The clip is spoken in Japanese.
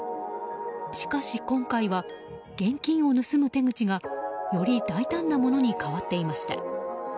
しかし、今回は現金を盗む手口がより大胆なものに変わっていました。